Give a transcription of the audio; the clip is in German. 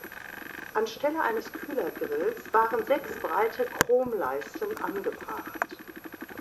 Anstelle eines Kühlergrills waren sechs breite Chromleisten angebracht.